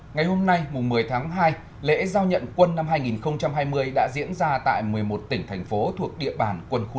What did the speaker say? ngày hôm nay một mươi tháng hai lễ giao nhận quân năm hai nghìn hai mươi đã diễn ra tại một mươi một tỉnh thành phố thuộc địa bàn quân khu năm